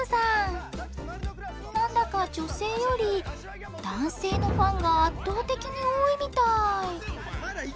なんだか女性より男性のファンが圧倒的に多いみたい。